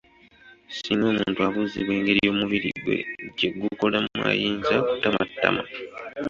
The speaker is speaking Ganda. Singa omuntu abuuzibwa engeri omubiri gwe gye gukolamu ayinza okutamattamamu.